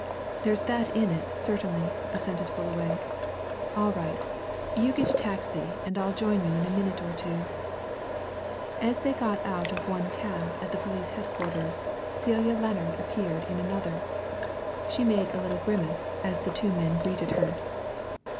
"There's that in it, certainly," assented Fullaway. "All right. You get a taxi and I'll join you in a minute or two." As they got out of one cab at the police headquarters Celia Lennard appeared in another. She made a little grimace as the two men greeted her.